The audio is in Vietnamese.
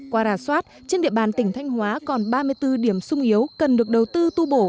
qua rà soát trên địa bàn tỉnh thanh hóa còn ba mươi bốn điểm sung yếu cần được đầu tư tu bổ